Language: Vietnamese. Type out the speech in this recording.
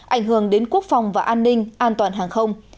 ảnh hưởng đến quốc phòng và an ninh an toàn hàng không